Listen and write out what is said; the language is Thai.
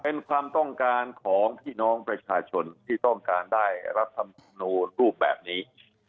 เป็นความต้องการของพี่น้องประชาชนที่ต้องการได้รัฐธรรมนูลรูปแบบนี้